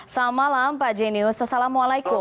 selamat malam pak jenius assalamualaikum